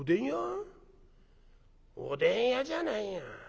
おでん屋じゃないよ。